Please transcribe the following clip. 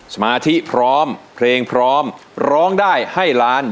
สมาธิพร้อมเพลงพร้อมร้องได้ให้ล้าน